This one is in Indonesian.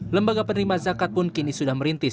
lembaga penerima zakat pun kini sudah merintis